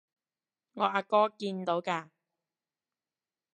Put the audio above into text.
我阿哥見到㗎